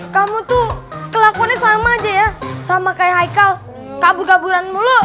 kamu tuh kelakuannya sama aja ya sama kayak haikal kabur kaburan mulu